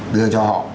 đưa cho họ